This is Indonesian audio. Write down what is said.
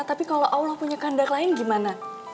tapi kalo allah punya kandak lain gimana